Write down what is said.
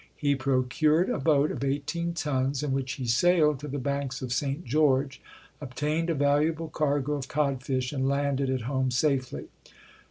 He procured a boat of eighteen tons in which he sailed to the banks of St. George, obtained a valuable cargo of codfish and landed at home safely.